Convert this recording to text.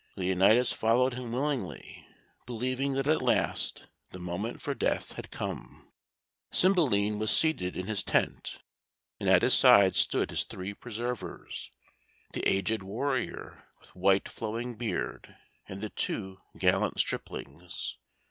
Leonatus followed him willingly, believing that at last the moment for death had come. Cymbeline was seated in his tent, and at his side stood his three preservers the aged warrior, with white flowing beard, and the two gallant striplings.